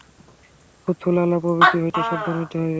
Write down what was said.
থুতু, লালা প্রভৃতি হইতেও সাবধান হইতে হইবে।